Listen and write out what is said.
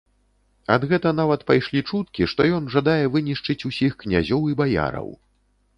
Ад гэта нават пайшлі чуткі, што ён жадае вынішчыць усіх князёў і баяраў.